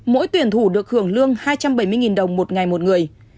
mỗi tuyển thủ được hưởng lương hai trăm bảy mươi đồng một ngày một người